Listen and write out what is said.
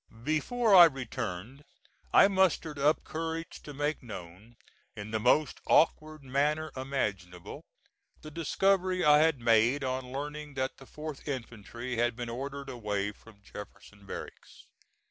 Before I returned I mustered up courage to make known, in the most awkward manner imaginable, the discovery I had made on learning that the 4th infantry had been ordered away from Jefferson Barracks.